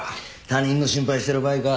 他人の心配してる場合か？